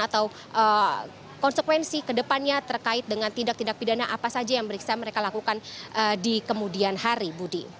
atau konsekuensi ke depannya terkait dengan tindak tindak pidana apa saja yang bisa mereka lakukan di kemudian hari budi